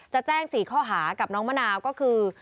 จะแจ้ง๔ข้อหากับน้องมะนาวก็คือ